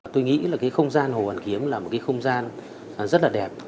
tôi nghĩ là cái không gian hồ hoàn kiếm là một cái không gian rất là đẹp